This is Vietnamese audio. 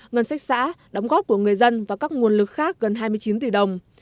ngân sách xã đóng góp của người dân và các nguồn lực khác gần hai mươi chín tỷ đồng